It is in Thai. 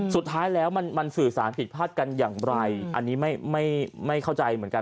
สุดท้ายแล้วมันสื่อสารผิดพลาดกันอย่างไรอันนี้ไม่เข้าใจเหมือนกัน